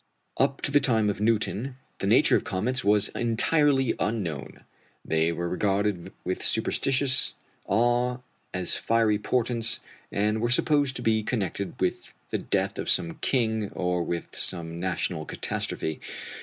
Up to the time of Newton, the nature of comets was entirely unknown. They were regarded with superstitious awe as fiery portents, and were supposed to be connected with the death of some king, or with some national catastrophe.